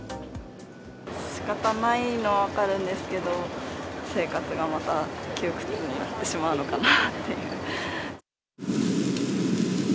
しかたないのは分かるんですけど、生活がまた窮屈になってしまうのかなっていう。